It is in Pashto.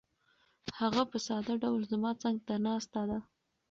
هغه په ساده ډول زما څنګ ته ناسته ده.